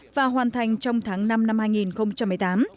và hoàn thành trong tháng năm năm hai nghìn một mươi tám